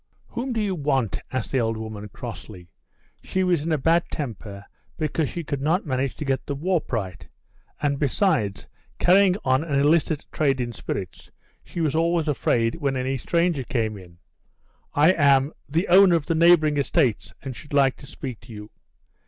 "Whom do you want?" asked the old woman, crossly. She was in a bad temper because she could not manage to get the warp right, and, besides, carrying on an illicit trade in spirits, she was always afraid when any stranger came in. "I am the owner of the neighbouring estates, and should like to speak to you."